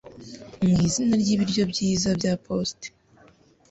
mwizina ryibiryo byiza bya Post